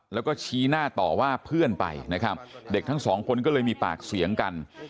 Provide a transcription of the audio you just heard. แล้วก็ชี้หน้าต่อว่าเพื่อนไปนะครับเด็กทั้งสองคนก็เลยมีปากเสียงกัน